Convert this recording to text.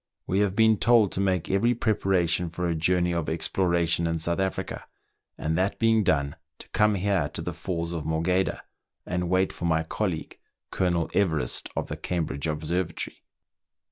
We have been told to make every preparation for a journey of exploration in South Africa, and that being done, to come here to the Falls of Morgheda and wait for my colleague. Colonel Everest, of the Cam bridge Observatory.